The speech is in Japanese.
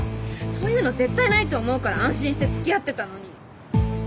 そういうの絶対ないって思うから安心してつきあってたのに。